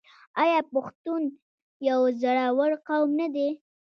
آیا پښتون یو زړور قوم نه دی؟